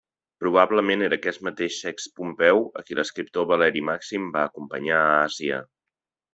Probablement era aquest mateix Sext Pompeu, a qui l'escriptor Valeri Màxim va acompanyar a Àsia.